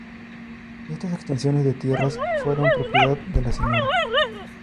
Estas extensiones de tierras fueron propiedad de la Sra.